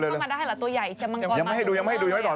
เตี๋ยวเลยจะได้เข้ามาได้เหรอตัวใหญ่ตัวเชียวมังกร